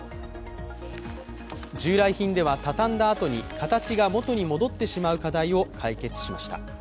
従来品では畳んだあとに形がもとに戻ってしまう課題を解決しました。